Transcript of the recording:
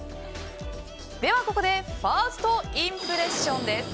では、ここでファーストインプレッションです。